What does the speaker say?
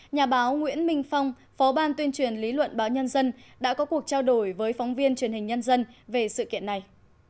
nhà báo nguyễn minh phong phó ban tuyên truyền lý luận báo nhân dân đã có cuộc trao đổi với phóng viên truyền hình nhân dân về sự kiện này